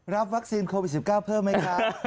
วัคซีนโควิด๑๙เพิ่มไหมคะ